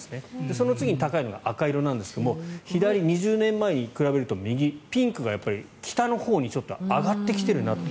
その次に高いのが赤色なんですが左、２０年前に比べると右、ピンクが北のほうに上がってきてるなと。